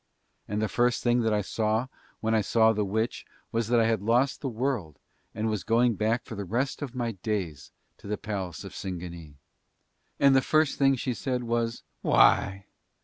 And the first thing that I saw when I saw the witch was that I had lost the world and was going back for the rest of my days to the palace of Singanee. And the first thing that she said was: "Why!